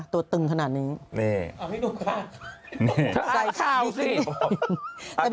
ตัวตึงขนาดนี้นี่อ่ะไม่รู้ค่ะใส่ข้าวสิ